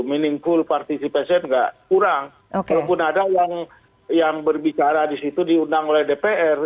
meaningful participation nggak kurang walaupun ada yang yang berbicara di situ diundang oleh dpr